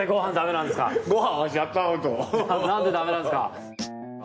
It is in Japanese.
なんでだめなんですか。